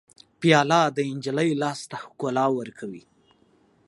پیاله د نجلۍ لاس ته ښکلا ورکوي.